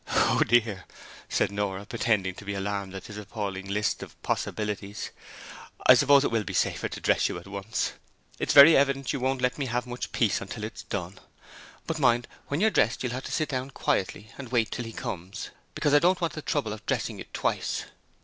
'Oh, dear!' said Nora, pretending to be alarmed at this appalling list of possibilities. 'I suppose it will be safer to dress you at once. It's very evident you won't let me have much peace until it is done, but mind when you're dressed you'll have to sit down quietly and wait till he comes, because I don't want the trouble of dressing you twice.'